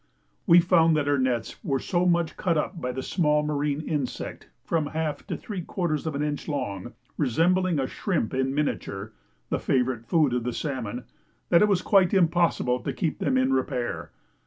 We found that our nets were so much cut up by a small marine insect from a half to three quarters of an inch long, resembling a shrimp in miniature the favourite food of the salmon that it was quite impossible to keep them in repair.